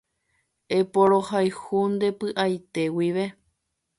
Eporohayhu nde py'aite guive